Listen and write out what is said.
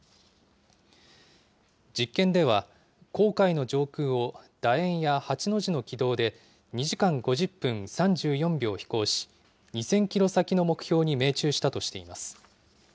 実験では、黄海の上空をだ円や８の字の軌道で２時間５０分３４秒飛行し、２０００キロ先の目標に命中したとしています。